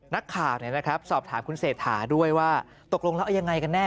นักข่าวสอบถามคุณเศรษฐาด้วยว่าตกลงแล้วเอายังไงกันแน่